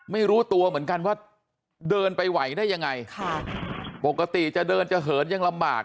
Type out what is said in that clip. ไม่รู้ตัวเหมือนกันว่าเดินไปไหวได้ยังไงค่ะปกติจะเดินจะเหินยังลำบาก